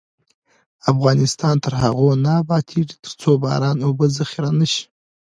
افغانستان تر هغو نه ابادیږي، ترڅو باران اوبه ذخیره نشي.